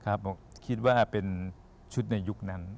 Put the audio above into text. คิดว่าเป็นชุดในยุคนั้น